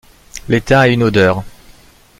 L’étain a une odeur.